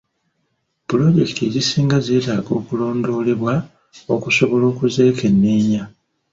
Pulojekiti ezisinga zetaaga okulondoolebwa okusobola okuzekenneenya.